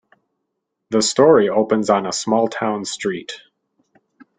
The story opens on a small-town street.